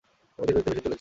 আমরা ধীরগতিতে ভেসে চলছি।